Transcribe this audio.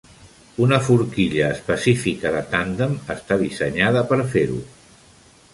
Una forquilla específica de tàndem està dissenyada per fer-ho.